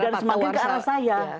dan semakin ke arah saya